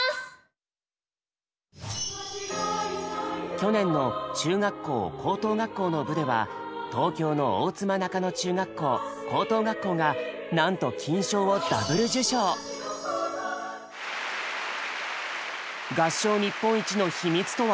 去年の中学校・高等学校の部では東京の大妻中野中学校・高等学校がなんと金賞を合唱日本一の秘密とは？